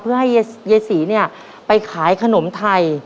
เพราะว่าเย้สีเนี่ยไปขายขนมไทย